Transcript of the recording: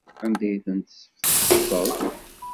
Anda ay tent-tesseftutseḍ?